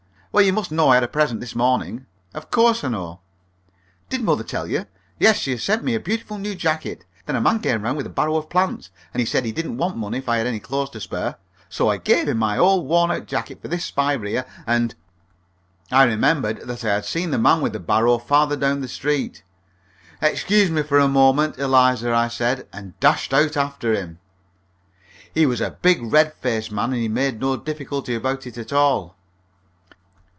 "Well, you must know I had a present this morning." "Of course I know." "Did mother tell you? Yes, she has sent me a beautiful new jacket. Then a man came round with a barrow of plants, and he said he didn't want money if I had any clothes to spare. So I gave him my old worn out jacket for this spiraea, and " I remembered that I had seen the man with the barrow farther down the street. "Excuse me for one moment, Eliza," I said, and dashed out after him. He was a big, red faced man, and he made no difficulty about it at all.